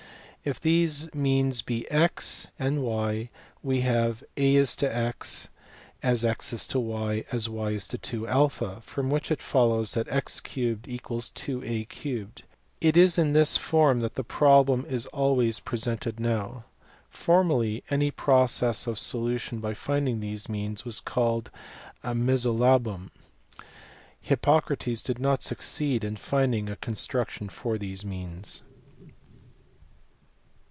If these means be x and ?/, we have a : x = x : y = y : 2a. from which it follows that x 3 = 2a 3 . It is in this form that the problem is always pre sented now. Formerly any process of solution by finding these means was called a mesolabum. Hippocrates did not succeed in finding a construction for these means.